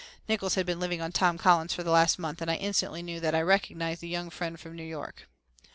Nickols had been living on Tom Collins for the last month and I instantly knew that I recognized the young friend from New York.